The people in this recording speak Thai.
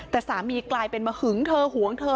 แต่สามีกลายเป็นมาหึงเธอหวงเธอ